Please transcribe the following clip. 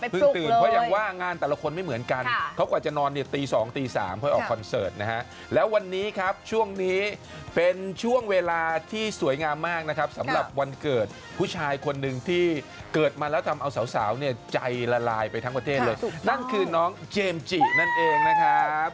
ตื่นเพราะอย่างว่างานแต่ละคนไม่เหมือนกันเขากว่าจะนอนเนี่ยตี๒ตี๓เพื่อออกคอนเสิร์ตนะฮะแล้ววันนี้ครับช่วงนี้เป็นช่วงเวลาที่สวยงามมากนะครับสำหรับวันเกิดผู้ชายคนหนึ่งที่เกิดมาแล้วทำเอาสาวเนี่ยใจละลายไปทั้งประเทศเลยนั่นคือน้องเจมส์จินั่นเองนะครับ